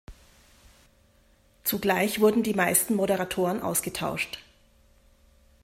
Zugleich wurden die meisten Moderatoren ausgetauscht.